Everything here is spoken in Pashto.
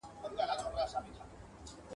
دلته خلک په پردي آذان ویښیږي ..